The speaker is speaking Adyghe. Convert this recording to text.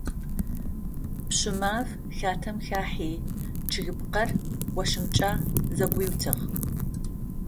Пщымаф хатэм хахьи чъыгыпкъыр ощымкӀэ зэгуиутыгъ.